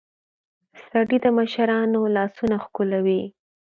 سړى د مشرانو لاسونه ښکلوي.